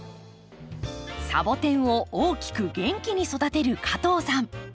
サボテンを大きく元気に育てる加藤さん。